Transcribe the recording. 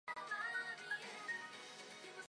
手汗のせいでテスト用紙がびしょびしょだ。